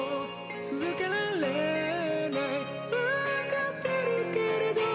「続けられないわかってるけれど」